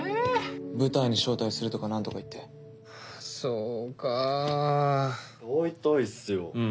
舞台に招待するとかなんとか言ってはぁそうか会いたいっすよ